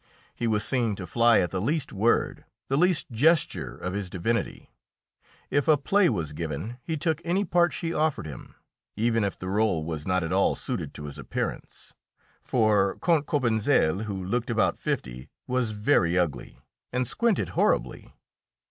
He was seen to fly at the least word, the least gesture of his divinity. If a play was given he took any part she offered him, even if the rôle was not at all suited to his appearance. For Count Cobentzel, who looked about fifty, was very ugly, and squinted horribly.